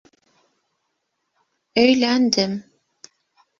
Өйләндем.